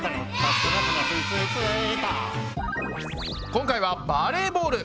今回は「バレーボール」。